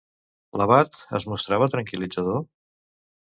L'abat es mostrava tranquil·litzador?